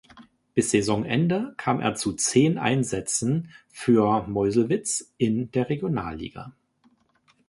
Bis Saisonende kam er zu zehn Einsätzen für Meuselwitz in der Regionalliga.